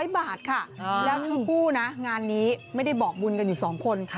๐บาทค่ะแล้วทั้งคู่นะงานนี้ไม่ได้บอกบุญกันอยู่๒คน